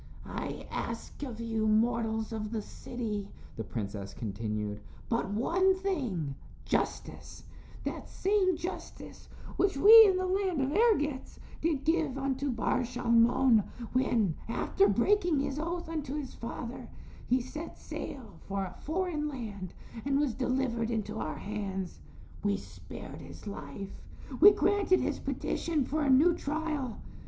"I ask of you mortals of the city," the princess continued, "but one thing, justice that same justice which we in the land of Ergetz did give unto Bar Shalmon when, after breaking his oath unto his father, he set sail for a foreign land and was delivered into our hands. We spared his life; we granted his petition for a new trial.